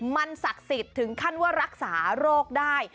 มันศักดิ์สิทธิ์ถึงขั้นว่ารักษาโรคได้